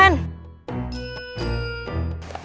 wah nang pesantren kita bakalan jadi keren